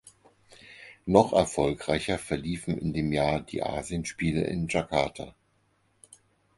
Noch erfolgreicher verliefen in dem Jahr die Asienspiele in Jakarta.